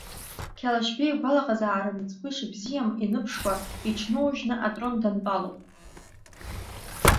Қьалашьбеи игәалаҟазаара мыцхәы ишыбзиам иныԥшуа, иҽноужьны атрон дантәалоуп.